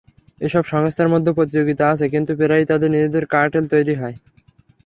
এসব সংস্থার মধ্যে প্রতিযোগিতা আছে, কিন্তু প্রায়ই তাদের নিজেদের কার্টেল তৈরি হয়।